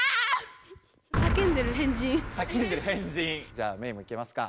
じゃあメイもいけますか。